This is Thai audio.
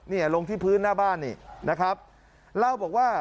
นี่ลงที่พื้นหน้าบ้านนี่นะครับเล่าบอกว่า